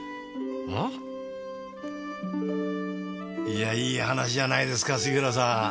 いやいい話じゃないですか杉浦さん！